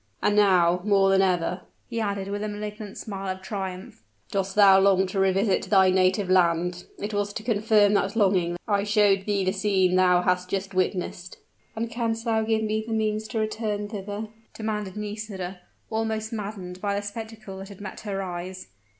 "And now, more than ever," he added with a malignant smile of triumph, "dost thou long to revisit thy native land. It was to confirm that longing that I showed thee the scene thou hast just witnessed." "And canst thou give me the means to return thither?" demanded Nisida, almost maddened by the spectacle that had met her eyes.